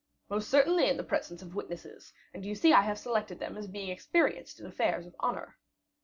"Most certainly in the presence of witnesses; and you see I have selected them as being experienced in affairs of honor."